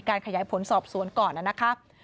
ขยายผลสอบสวนก่อนนะครับ